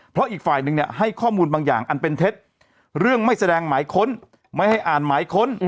เพราะอีกฝ่ายหนึ่งเนี่ยให้ข้อมูลบางอย่างอันเป็นเท็จเรื่องไม่แสดงหมายค้นไม่ให้อ่านหมายค้น